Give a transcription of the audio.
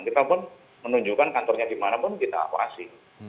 kita pun menunjukkan kantornya dimanapun kita awasi